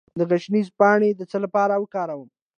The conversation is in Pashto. د ګشنیز پاڼې د څه لپاره وکاروم؟